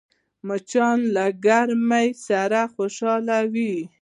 مچان له ګرمۍ سره خوشحال وي